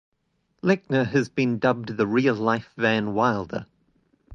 Lechner has been dubbed the real-life Van Wilder.